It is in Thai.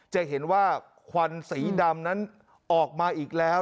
จะเห็นว่าควันสีดำนั้นออกมาอีกแล้ว